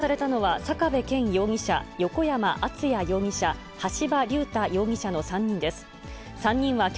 きょう送検されたのは、坂部謙容疑者、横山篤也容疑者、橋場龍太容疑者の３人です。